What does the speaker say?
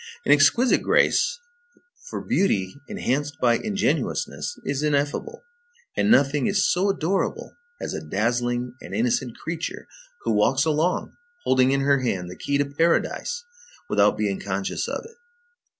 An exquisite grace, for beauty enhanced by ingenuousness is ineffable, and nothing is so adorable as a dazzling and innocent creature who walks along, holding in her hand the key to paradise without being conscious of it.